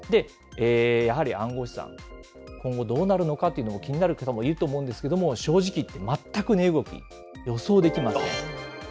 やはり暗号資産、今後どうなるのか、気になる方もいると思うんですけども、正直言って全く値動き、予想できません。